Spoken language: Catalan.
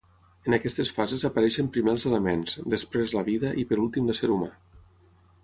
En aquestes fases apareixen primer els elements, després la vida i per últim l'ésser humà.